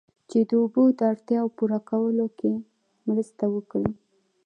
چې د اوبو د اړتیاوو پوره کولو کې مرسته وکړي